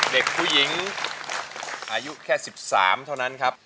เด็กผู้หญิงอายุแค่๑๓เท่านั้นครับ